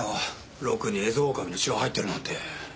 ロクにエゾオオカミの血が入ってるなんて。